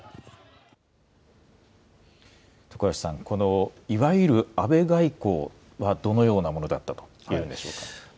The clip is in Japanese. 徳橋さん、このいわゆる安倍外交はどのようなものだったといえるんでしょう